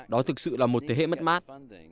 đó thực sự là một thế hệ mất mát